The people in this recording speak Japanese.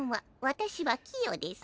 私はキヨです。